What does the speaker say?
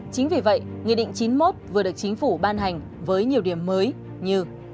chính vì vậy nghị định chín mươi một vừa được chính phủ ban hành với nhiều điểm mới như